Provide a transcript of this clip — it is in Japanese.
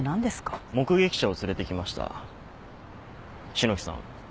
篠木さん。